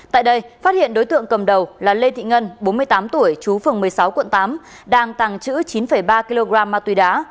tại đây phát hiện đối tượng cầm đầu là lê thị ngân bốn mươi tám tuổi chú phường một mươi sáu quận tám đang tàng trữ chín ba kg ma túy đá